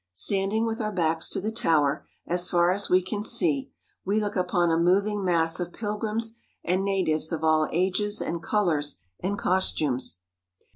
Standing with our backs to the tower, as far as we can see, we look upon a moving mass of pilgrims and natives of all ages and colours and costumes.